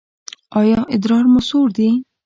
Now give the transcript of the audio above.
ایا ادرار مو سور دی؟